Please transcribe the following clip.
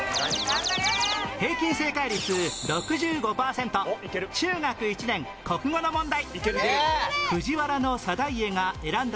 平均正解率６５パーセント中学１年国語の問題